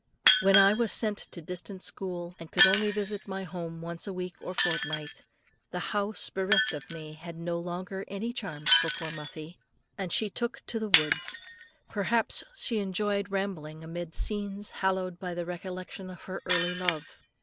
When I was sent to a distant school, and could only visit my home once a week or fortnight, the house bereft of me had no longer any charms for poor Muffie, and she took to the woods. Perhaps she enjoyed rambling amid scenes hallowed by the recollection of her early love.